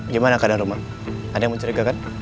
gimana keadaan rumah ada yang mencurigakan